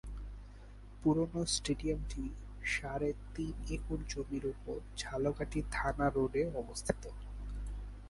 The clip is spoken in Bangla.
পুরনো স্টেডিয়ামটি সাড়ে তিন একর জমির উপর ঝালকাঠি থানা রোডে অবস্থিত।